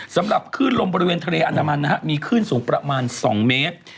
สำหรับคลื่นลมบริเวณทะเลอันดามันนะฮะมีคลื่นสูงประมาณ๒เมตร